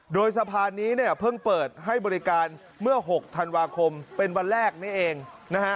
โดยสะพานนี้เนี่ยเพิ่งเปิดให้บริการเมื่อ๖ธันวาคมเป็นวันแรกนี้เองนะฮะ